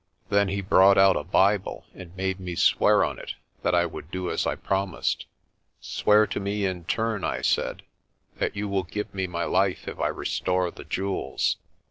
Then he brought out a Bible and made me swear on it that I would do as I promised. "Swear to me in turn," I said, "that you will give me my life if I restore the jewels."